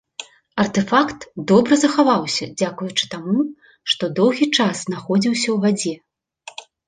Артэфакт добра захаваўся дзякуючы таму, што доўгі час знаходзіўся ў вадзе.